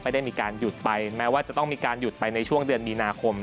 ได้มีการหยุดไปแม้ว่าจะต้องมีการหยุดไปในช่วงเดือนมีนาคม